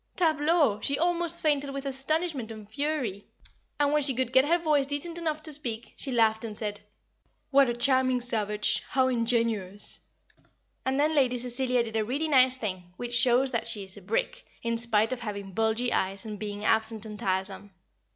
Tableau! She almost fainted with astonishment and fury, and when she could get her voice decent enough to speak, she laughed and said "What a charming savage! How ingenuous!" [Sidenote: Lord Valmond in Disgrace] And then Lady Cecilia did a really nice thing, which shows that she is a brick, in spite of having bulgy eyes, and being absent and tiresome.